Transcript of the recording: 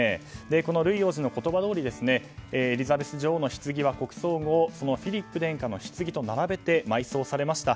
このルイ王子の言葉どおりエリザベス女王のひつぎは国葬後フィリップ殿下のひつぎと並べられて埋葬されました。